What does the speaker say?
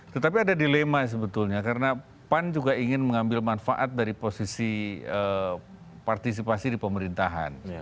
tetapi ada dilema sebetulnya karena pan juga ingin mengambil manfaat dari posisi partisipasi di pemerintahan